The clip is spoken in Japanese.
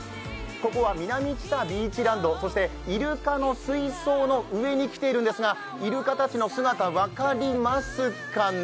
ここは南知多ビーチランド、そしてイルカの水槽の上に来ているんですがイルカたちの姿、分かりますかね？